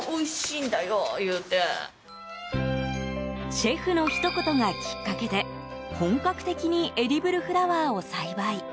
シェフのひと言がきっかけで本格的にエディブルフラワーを栽培。